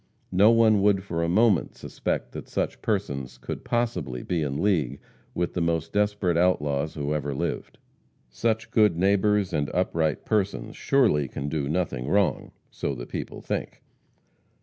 No one would for a moment suspect that such persons could possibly be in league with the most desperate outlaws who ever lived. Such good neighbors and upright persons surely can do nothing wrong so the people think.